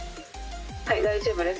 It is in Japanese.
はい大丈夫です。